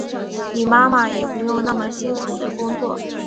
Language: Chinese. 你妈妈也不用那么辛苦的工作